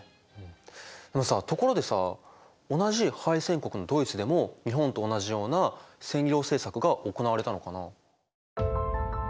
あのさところでさ同じ敗戦国のドイツでも日本と同じような占領政策が行われたのかな？